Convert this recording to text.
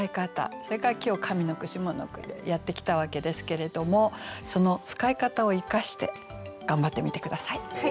それから今日上の句下の句でやってきたわけですけれどもその使い方を生かして頑張ってみて下さい。